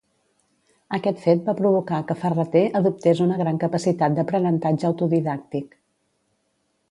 Aquest fet va provocar que Ferrater adoptés una gran capacitat d'aprenentatge autodidàctic.